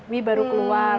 wii baru keluar